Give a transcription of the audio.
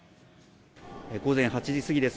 午前８時過ぎです。